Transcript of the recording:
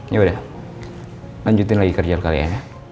yaudah lanjutin lagi kerja lokal ya